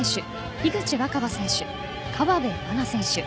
樋口新葉選手、河辺愛菜選手。